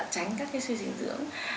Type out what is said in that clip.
tránh các cái suy sinh dưỡng